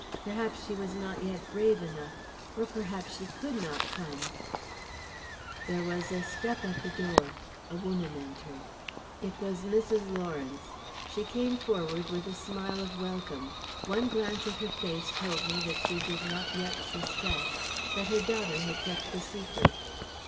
Perhaps she was not yet brave enough. Or perhaps she could not come There was a step at the door; a woman entered It was Mrs. Lawrence. She came forward with a smile of welcome. One glance at her face told me that she did not yet suspect that her daughter had kept the secret.